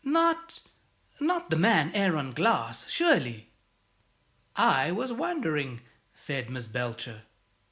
Not not the man Aaron Glass, surely?" "I was wondering," said Miss Belcher.